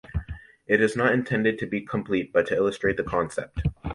It is not intended to be complete but to illustrate the concept.